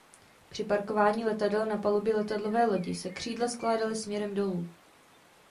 Při parkování letadel na palubě letadlové lodi se křídla skládaly směrem dolů.